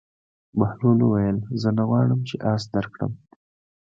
بهلول وویل: زه نه غواړم چې اس درکړم.